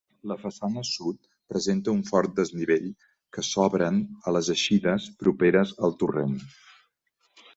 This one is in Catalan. La façana sud presenta un fort desnivell que s'obren a les eixides properes al torrent.